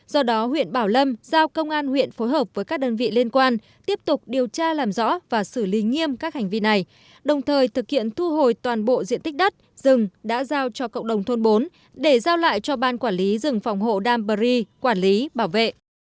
do đó huyện bảo lâm giao công an huyện phối hợp với các đơn vị liên quan tiếp tục điều tra làm rõ và xử lý nghiêm các hành vi này đồng thời thực hiện thu hồi toàn bộ diện tích đất rừng đã giao cho cộng đồng thôn bốn để giao lại cho ban quản lý rừng phòng hộ đam bờ ri quản lý bảo vệ